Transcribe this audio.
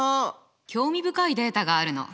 興味深いデータがあるの。